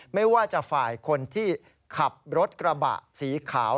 ไม่ว่าจะฝ่ายคนที่ขับรถกระบะสีขาว